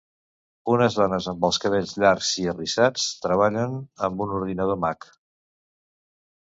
Unes dones amb els cabells llargs i arrissats treballen amb un ordinador mac.